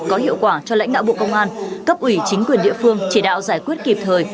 có hiệu quả cho lãnh đạo bộ công an cấp ủy chính quyền địa phương chỉ đạo giải quyết kịp thời